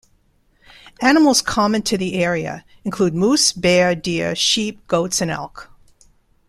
Animals common to the area include moose, bear, deer, sheep, goats and elk.